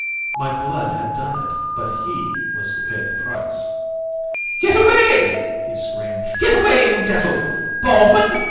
My blood had done it, but he was to pay the price. "Get away!" he screamed. "Get away, you devil! Baldwin!